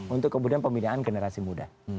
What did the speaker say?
untuk kemudian pembinaan generasi muda